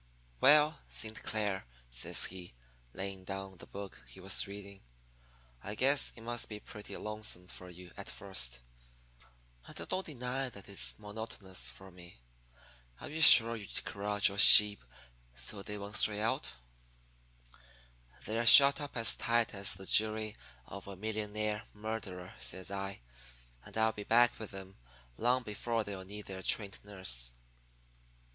"'Well, Saint Clair,' says he, laying down the book he was reading, 'I guess it must be pretty lonesome for you at first. And I don't deny that it's monotonous for me. Are you sure you corralled your sheep so they won't stray out?' "'They're shut up as tight as the jury of a millionaire murderer,' says I. 'And I'll be back with them long before they'll need their trained nurse.'